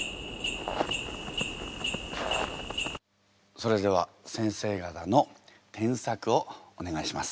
それでは先生方の添削をお願いします。